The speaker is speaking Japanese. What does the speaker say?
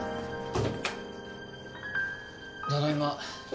ただいま。